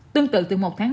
tương tự từ một tháng hai